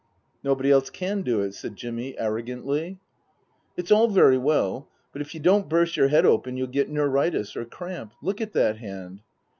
" Nobody else can do it," said Jimmy arrogantly. " It's all very well; but if you don't burst your head open you'll get neuritis, or cramp. Look at that hand."